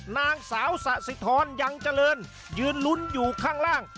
นางสาวสะสิทรยังเจริญยืนลุ้นอยู่ข้างล่าง